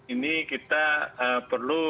ini kita perlu